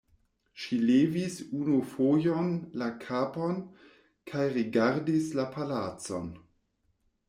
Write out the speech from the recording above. Ŝi levis unu fojon la kapon kaj rigardis la palacon.